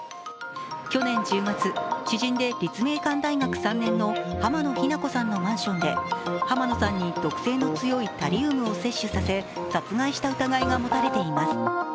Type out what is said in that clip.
去年１０月、知人で立命館大学３年の濱野日菜子さんのマンションで濱野さんに毒性の強いタリウムを摂取させ殺害した疑いがもたれています。